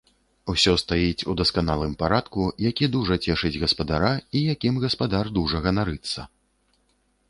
Усё стаіць у дасканалым парадку, які дужа цешыць гаспадара і якім гаспадар дужа ганарыцца.